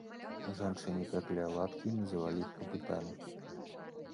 Жанчыны пяклі аладкі, і называлі іх капытамі.